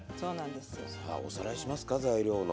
さあおさらいしますか材料の。